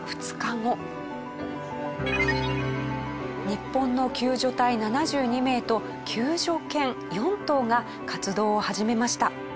日本の救助隊７２名と救助犬４頭が活動を始めました。